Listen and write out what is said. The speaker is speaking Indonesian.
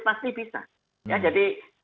pasti bisa ya jadi